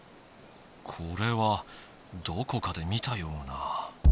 これはどこかで見たような。